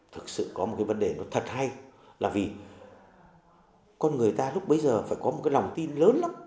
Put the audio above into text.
thực sự có một cái vấn đề nó thật hay là vì con người ta lúc bấy giờ phải có một cái lòng tin lớn lắm